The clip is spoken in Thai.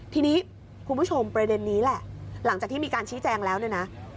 ทีนี้คุณผู้ชมประเด็นนี้แหละหลังจากที่มีการชี้แจงแล้วเนี่ยนะ